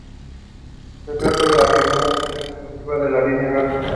Se trata de la primera estación exclusiva de la Línea Verde.